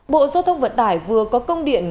bộ giao thông vận tải vừa có công điện